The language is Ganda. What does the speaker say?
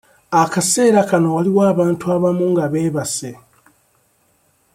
Akaseera kano waliwo abantu abamu nga beebase.